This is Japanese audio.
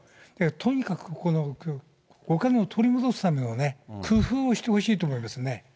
とにかく、このお金を取り戻すための工夫をしてほしいと思いますね。